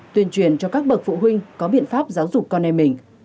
tuyên truyền cho các bậc phụ huynh có biện pháp giáo dục con em mình